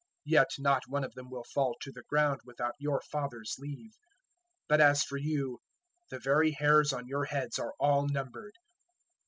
Yet not one of them will fall to the ground without your Father's leave. 010:030 But as for you, the very hairs on your heads are all numbered.